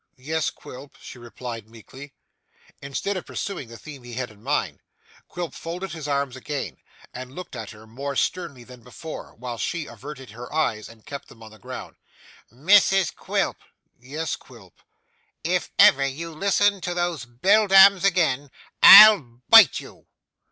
'Yes, Quilp,' she replead meekly. Instead of pursuing the theme he had in his mind, Quilp folded his arms again, and looked at her more sternly than before, while she averted her eyes and kept them on the ground. 'Mrs Quilp.' 'Yes, Quilp.' 'If ever you listen to these beldames again, I'll bite you.